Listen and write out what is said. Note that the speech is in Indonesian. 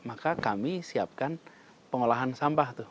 maka kami siapkan pengolahan sampah tuh